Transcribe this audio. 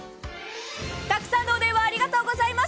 たくさんのお電話ありがとうございます。